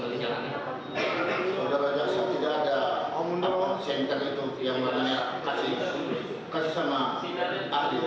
jadi dimasakphile polisi bercerita sama jalan media